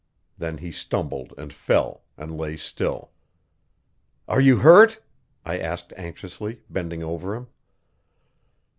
Then he stumbled and fell and lay still. "Are you hurt?" I asked anxiously, bending over him.